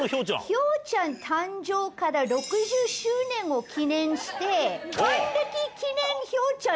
ひょうちゃん誕生から６０周年を記念して。